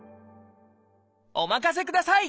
お任せください。